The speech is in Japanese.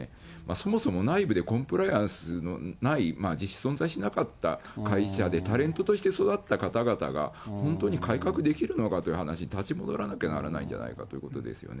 そもそも内部で、コンプライアンスのない、実質存在しなかった会社でタレントして育った方々が、本当に改革できるのかという話に立ち戻らなきゃいけないんじゃないかという話ですよね。